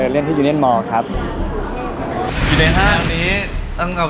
หายใจไม่ทั่วท้องเนี่ยก็ไม่รู้